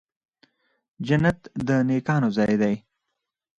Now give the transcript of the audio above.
جنت د نیکانو ځای دی